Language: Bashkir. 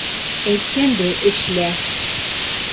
Әйткәнде эшлә!